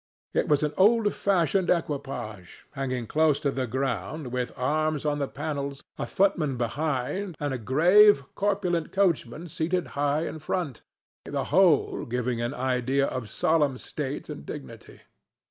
It was an old fashioned equipage, hanging close to the ground, with arms on the panels, a footman behind and a grave, corpulent coachman seated high in front, the whole giving an idea of solemn state and dignity.